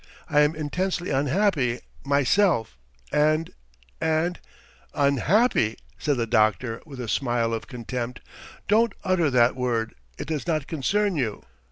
I am intensely unhappy myself and ... and ..." "Unhappy!" said the doctor, with a smile of contempt. "Don't utter that word, it does not concern you.